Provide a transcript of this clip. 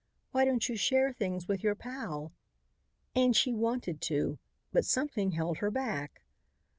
Why don't you share things with your pal?" And she wanted to, but something held her back.